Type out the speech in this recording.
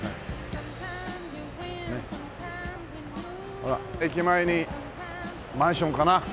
ほら駅前にマンションかな。